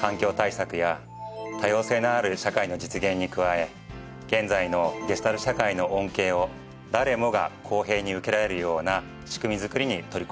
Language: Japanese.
環境対策や多様性のある社会の実現に加え現在のデジタル社会の恩恵を誰もが公平に受けられるような仕組み作りに取り組んでおります。